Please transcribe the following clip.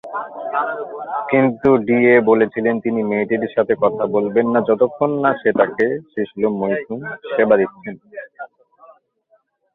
কিন্তু ডিএ বলেছিলেন তিনি মেয়েটির সাথে কথা বলবেন না যতক্ষণ না সে তাঁকে শিশ্ন-মুখমৈথুন সেবা দিচ্ছে।